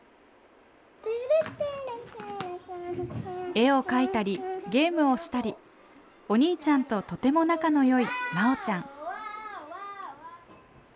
絵を描いたりゲームをしたりお兄ちゃんととても仲のよいまおちゃん。